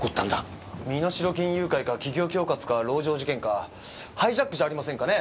身代金誘拐か企業恐喝か篭城事件かハイジャックじゃありませんかね